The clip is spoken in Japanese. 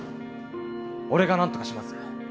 俺がなんとかします！